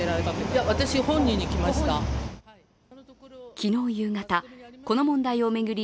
昨日夕方、この問題を巡り